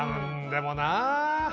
「でもなぁ」